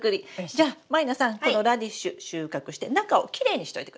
じゃあ満里奈さんこのラディッシュ収穫して中をきれいにしといてください。